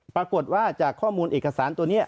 ปรากฏว่าจากข้อมูลเอกสารตัวนี้